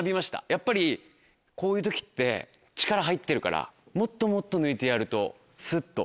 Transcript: やっぱりこういう時って力入ってるからもっともっと抜いてやるとスッと。